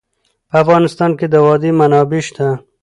په افغانستان کې د وادي منابع شته.